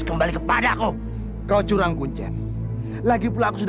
kenapa kamu masih menjadi pocong